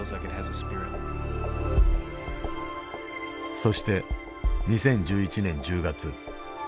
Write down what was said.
そして２０１１年１０月。